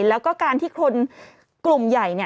แล้วก็การที่คนกลุ่มใหญ่